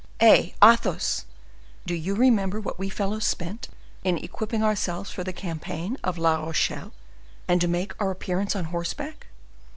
Eh! Athos, do you remember what we fellows spent in equipping ourselves for the campaign of La Rochelle, and to make our appearance on horseback?